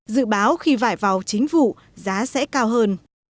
dự báo khi vải vào chính vụ giá sẽ cao hơn